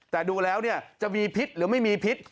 แต่ดูแล้วจะมีพิษหรือไม่มีพิษ